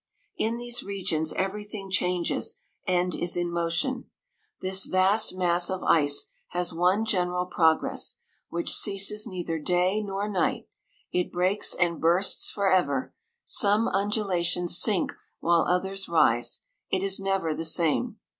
In these regions every thing changes, and is in motion. This 167 vast mass of ice has one general pro gress, which ceases neither day nor night; it breaks and bursts for ever: some undulations sink while others rise ; it is never the same.